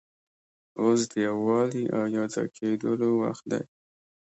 اوس د یووالي او یو ځای کېدلو وخت دی.